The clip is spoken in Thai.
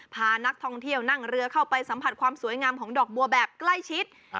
พานักท่องเที่ยวนั่งเรือเข้าไปสัมผัสความสวยงามของดอกบัวแบบใกล้ชิด